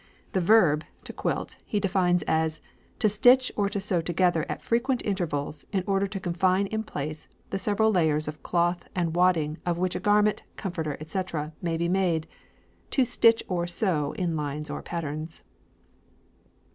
The verb, to quilt, he defines as "To stitch or to sew together at frequent intervals in order to confine in place the several layers of cloth and wadding of which a garment, comforter, etc., may be made. To stitch or sew in lines or patterns."